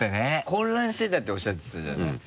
混乱してたっておっしゃってたじゃない。